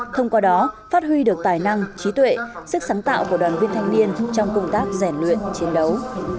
thông qua đó phát huy được tài năng trí tuệ sức sáng tạo của đoàn viên thanh niên trong công tác rèn luyện chiến đấu